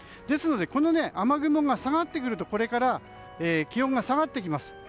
ですので、雨雲が下がってくるとこれから気温が下がってきます。